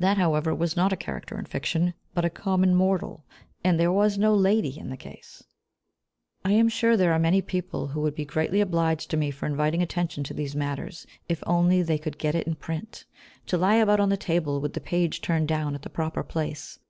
That, however, was not a character in fiction, but a common mortal, and there was no lady in the case. I am sure there are many people who would be greatly obliged to me for inviting attention to these matters, if only they could get it in print, to lie about on the table with the page turned down at the proper place.